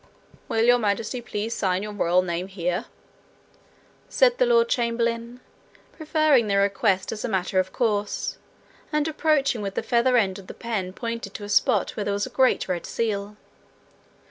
'Will Your Majesty please sign your royal name here?' said the lord chamberlain, preferring the request as a matter of course, and approaching with the feather end of the pen pointed to a spot where there was a great red seal.